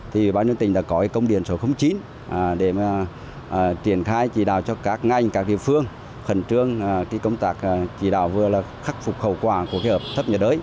thì ban nhân tỉnh đã có công điện số chín để mà triển khai chỉ đạo cho các ngành các địa phương khẩn trương công tác chỉ đạo vừa là khắc phục hậu quả của cái hợp thấp nhiệt đới